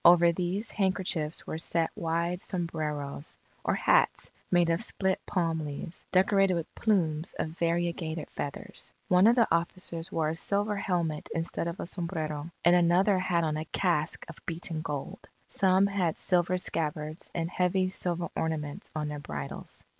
Over these handkerchiefs were set wide sombreros or hats made of split palm leaves, decorated with plumes of variegated feathers. One of the officers wore a silver helmet instead of a sombrero, and another had on a casque of beaten gold. Some had silver scabbards, and heavy silver ornaments on their bridles.